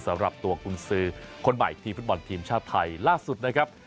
สำหรับตัวกุญสือคนใหม่ทีมฟุตบอลทีมชาติไทยล่าสุดนะครับ